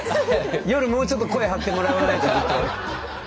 夜もうちょっと声張ってもらわないとちょっと。